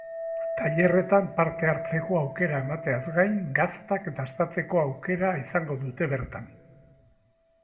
Tailerretan parte hartzeko aukera emateaz gain, gaztak dastatzeko aukera izango dute bertan.